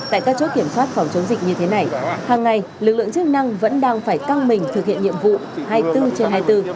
tại các chốt kiểm soát phòng chống dịch như thế này hàng ngày lực lượng chức năng vẫn đang phải căng mình thực hiện nhiệm vụ hai mươi bốn trên hai mươi bốn